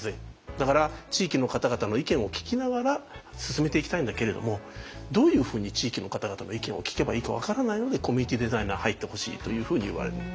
だから地域の方々の意見を聞きながら進めていきたいんだけれどもどういうふうに地域の方々の意見を聞けばいいか分からないのでコミュニティデザイナー入ってほしいというふうに言われる。